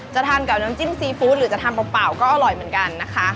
ทานกับน้ำจิ้มซีฟู้ดหรือจะทานเปล่าก็อร่อยเหมือนกันนะคะ